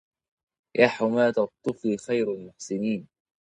يا حماة الطفل خير المحسنين